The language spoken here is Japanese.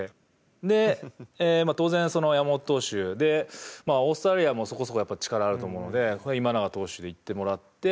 で当然山本投手でオーストラリアもそこそこ力あると思うので今永投手でいってもらって。